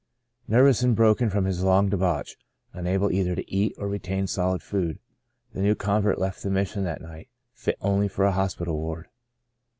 Nervous and broken from his ' long de bauch, unable either to eat or retain solid food, the new convert left the Mission that night, fit only for a hospital ward.